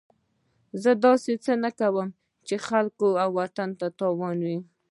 زه داسې څه نه کوم چې د خپلو خلکو او وطن په تاوان وي.